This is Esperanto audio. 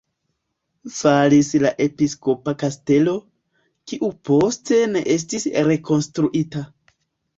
Falis la episkopa kastelo, kiu poste ne estis rekonstruita.